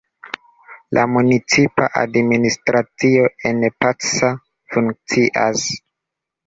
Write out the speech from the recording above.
La municipa administracio en Pacsa funkcias.